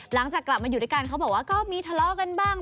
หลังจากกลับมาอยู่ด้วยกันเขาบอกว่าก็มีทะเลาะกันบ้าง